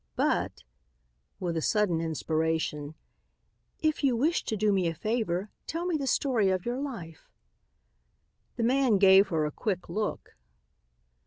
But," with a sudden inspiration, "if you wish to do me a favor, tell me the story of your life." The man gave her a quick look.